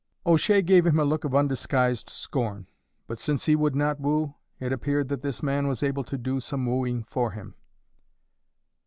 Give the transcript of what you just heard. O'Shea gave him a look of undisguised scorn; but since he would not woo, it appeared that this man was able to do some wooing for him.